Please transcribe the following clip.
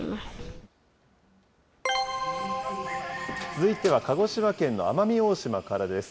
続いては鹿児島県の奄美大島からです。